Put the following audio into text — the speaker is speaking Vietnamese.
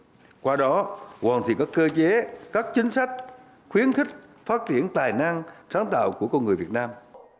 và qua đó hoàn thiện các cơ chế các chính sách khuyến khích phát triển tài năng sáng tạo của con người việt nam